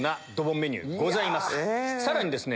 さらにですね